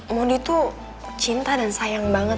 mondi tuh cinta dan sayang banget